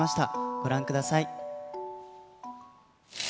ご覧ください。